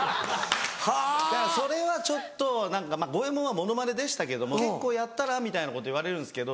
それはちょっと五ェ門はモノマネでしたけども結構「やったら？」みたいなこと言われるんですけど。